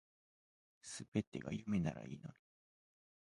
全てが夢ならいいのに